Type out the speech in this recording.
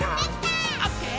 「オッケー！